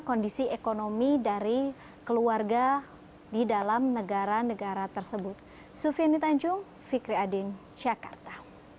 kondisi ekonomi dari keluarga di dalam negara negara tersebut sufiani tanjung fikri adin jakarta